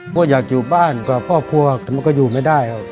ผมอยากอยู่บ้านกว่าพ่อพ่อแต่มันก็อยู่ไม่ได้ครับ